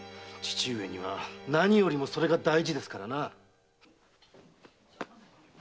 父上には何よりもそれが大事ですからな。